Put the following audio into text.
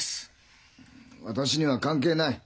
私には関係ない。